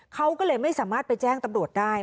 เขาก็เลยไม่สามารถไปแจ้งตำรวจได้